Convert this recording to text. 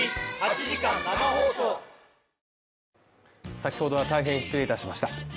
先ほどは大変失礼いたしました。